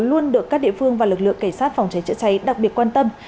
luôn được các địa phương và lực lượng cảnh sát phòng cháy chữa cháy đặc biệt quan tâm